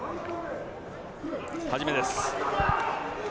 始めです。